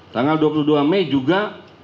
tanggal dua puluh dua mei juga